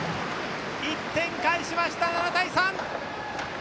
１点返しました、７対３。